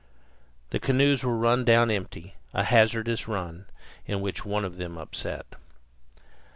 The canoes were run down empty a hazardous run, in which one of them upset.